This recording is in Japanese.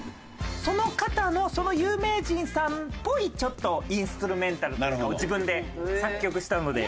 その方のその有名人さんっぽいちょっとインストゥルメンタルっていうのを自分で作曲したので。